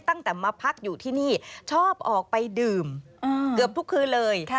ตั้งแต่มาพักอยู่ที่นี่ชอบออกไปดื่มเกือบทุกคืนเลย